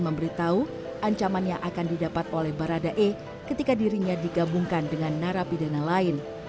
memberitahu ancaman yang akan didapat oleh baradae ketika dirinya digabungkan dengan narapidana lain